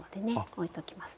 おいときますね。